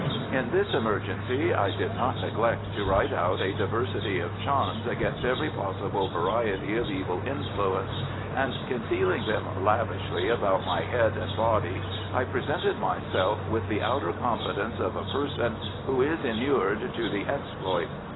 In this emergency I did not neglect to write out a diversity of charms against every possible variety of evil influence, and concealing them lavishly about my head and body, I presented myself with the outer confidence of a person who is inured to the exploit.